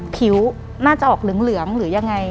ผิวน่าจะออกเหลืองหรือยังไง